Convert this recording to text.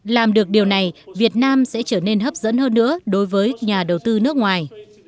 làm được điều này việt nam sẽ trở nên hấp dẫn hơn nữa đối với nhà đầu tư nước ngoài